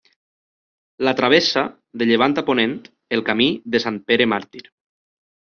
La travessa, de llevant a ponent, el Camí de Sant Pere Màrtir.